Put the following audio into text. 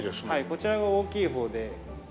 はいこちらが大きい方で。